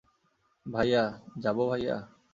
ভাইয়া, যাবো ভাইয়া?